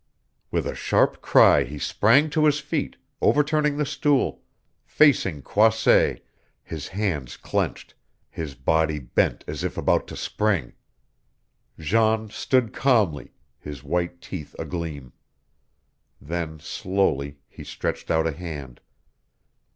With a sharp cry he sprang to his feet, overturning the stool, facing Croisset, his hands clenched, his body bent as if about to spring. Jean stood calmly, his white teeth agleam. Then, slowly, he stretched out a hand.